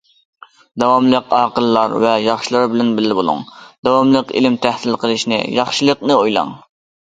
داۋاملىق ئاقىللار ۋە ياخشىلار بىلەن بىللە بولۇڭ، داۋاملىق ئىلىم تەھسىل قىلىشنى، ياخشىلىقنى ئويلاڭ.